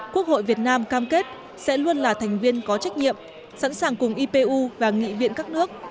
quốc hội việt nam cam kết sẽ luôn là thành viên có trách nhiệm sẵn sàng cùng ipu và nghị viện các nước